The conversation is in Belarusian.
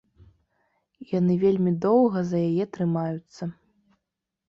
І яны вельмі доўга за яе трымаюцца.